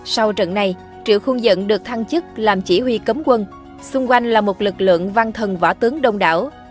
sau trận này triệu khuôn dẫn được thăng chức làm chỉ huy cấm quân xung quanh là một lực lượng văn thần võ tướng đông đảo